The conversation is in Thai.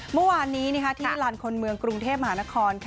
เมื่อวานนี้ที่ลานคนเมืองกรุงเทพมหานคร